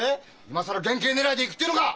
今更減刑ねらいでいくっていうのか！？